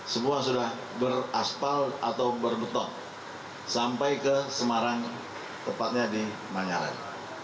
semua sudah beraspal atau berbetot sampai ke semarang tepatnya di manyalain